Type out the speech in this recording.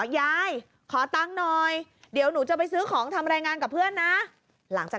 ยายขอตังค์หน่อยเดี๋ยวหนูจะไปซื้อของทำรายงานกับเพื่อนนะหลังจาก